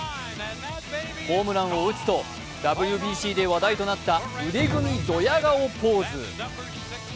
ホームランを打つとＷＢＣで話題となった腕組みドヤ顔ポーズ。